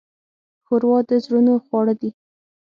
ښوروا د زړونو خواړه دي.